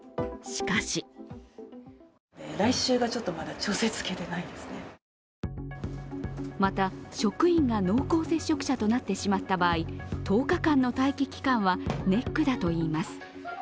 しかしまた職員が濃厚接触者となってしまった場合、１０日間の待機期間はネックだといいます。